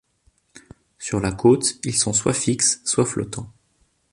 Sur la côte, ils sont soit fixes, soit flottants.